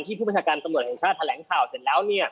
ผู้บัญชาการตำรวจแห่งชาติแถลงข่าวเสร็จแล้ว